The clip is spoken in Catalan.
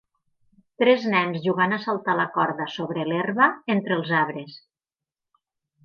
Tres nens jugant a saltar la corda sobre l'herba entre els arbres.